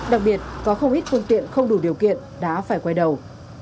đặc biệt có không ít phương tiện không đủ điều kiện đã phải quay đầu